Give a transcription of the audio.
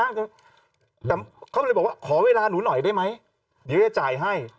แต่เขาเลยบอกว่าขอเวลาหนูหน่อยได้ไหมเดี๋ยวจะจ่ายให้